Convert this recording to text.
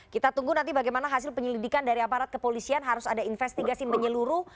kita tunggu nanti bagaimana hasil penyelidikan dari aparat kepolisian harus ada investigasi menyeluruh